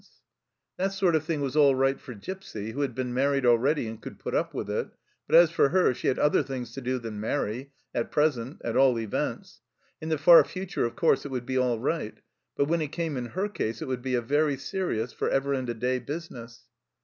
THE RETREAT 57 That sort of thing was all right for Gipsy, who had been married already and could put up with it ; but as for her, she had other things to do than marry at present, at all events. In the far future, of course, it would be all right, but when it came in her case it would be a very serious, for ever and a day business.